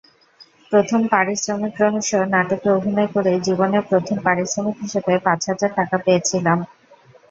প্রথম পারিশ্রমিকরহস্য নাটকে অভিনয় করেই জীবনে প্রথম পারিশ্রমিক হিসেবে পাঁচ হাজার টাকা পেয়েছিলাম।